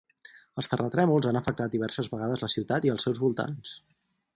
Els terratrèmols han afectat diverses vegades la ciutat i els seus voltants.